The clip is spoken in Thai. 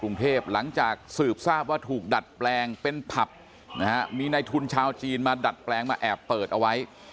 หลังจากสืบทราบว่าถูกดัดแปลงเป็นผับนะฮะมีในทุนชาวจีนมาดัดแปลงมาแอบเปิดเอาไว้